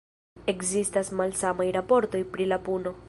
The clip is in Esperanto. Ekzistas malsamaj raportoj pri la puno.